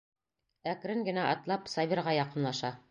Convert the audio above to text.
Әкрен генә атлап Сабирға яҡынлаша.